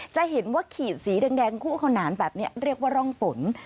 จะเห็นว่าขีดสีแดงคู่ขนานแบบนี้เรียกว่าร่องฝน